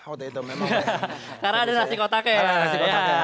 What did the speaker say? karena ada nasi kotak ya